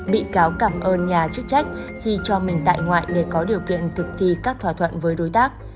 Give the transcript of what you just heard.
bị cáo cảm ơn nhà chức trách khi cho mình tại ngoại để có điều kiện thực thi các thỏa thuận với đối tác